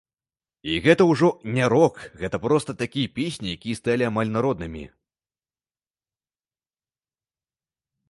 І гэта ўжо не рок, гэта проста такія песні, якія сталі амаль народнымі.